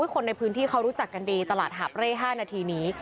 คนในพื้นที่เขารู้จักกันดีตลาดหาบเร่๕นาทีนี้